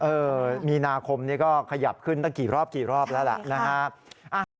เออมีนาคมนี่ก็ขยับขึ้นตั้งกี่รอบแล้วละนะครับ